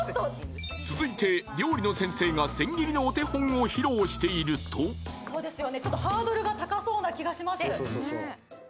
続いて料理の先生が千切りのお手本を披露しているとそうですよねちょっとハードルが高そうな気がします